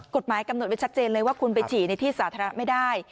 กฎหมายกำหนดไว้ชัดเจนเลยว่าคุณไปฉี่ในที่สาธารณะไม่ได้